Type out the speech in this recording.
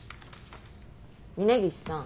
峰岸さん。